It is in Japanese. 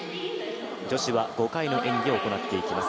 女子は５回の演技を行っていきます